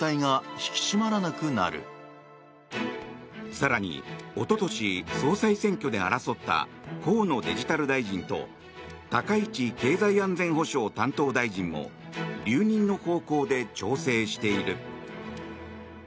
更におととし総裁選挙で争った河野デジタル大臣と高市経済安全保障担当大臣も留任の方向で調整している。